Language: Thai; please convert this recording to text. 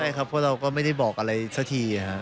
ใช่ครับเพราะเราก็ไม่ได้บอกอะไรเสร็จที